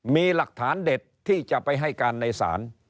มีหลักฐานเด็ดที่จะไปให้การในศาล